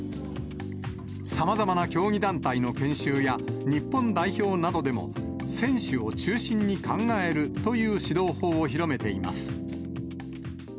さまざまな競技団体の研修や、日本代表などでも選手を中心に考えるという指導法を広めています。